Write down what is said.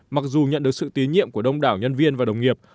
mặc dù nhận được sự tín nhiệm của đông đảo nhân viên và đồng nghiệp